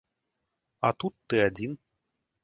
А тут ты адзін.